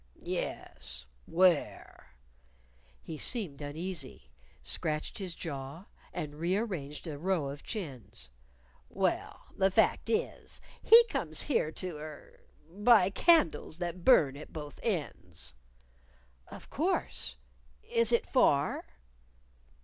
"Um! Yes, where?" He seemed uneasy; scratched his jaw; and rearranged a row of chins. "Well, the fact is, he comes here to er buy candles that burn at both ends." "Of course. Is it far?"